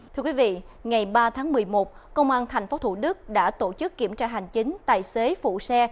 thưa quý vị ngày ba tháng một mươi một công an tp thủ đức đã tổ chức kiểm tra hành chính tài xế phụ xe